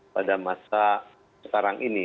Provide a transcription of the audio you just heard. pada masa sekarang ini